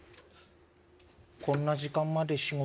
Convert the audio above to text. こんな時間まで仕事？